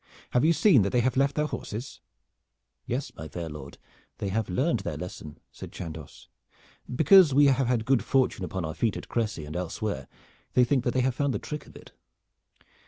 Have you seen that they have left their horses?" "Yes, my fair lord, they have learned their lesson," said Chandos. "Because we have had good fortune upon our feet at Crecy and elsewhere they think that they have found the trick of it.